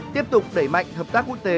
tiếp tục đẩy mạnh hợp tác quốc tế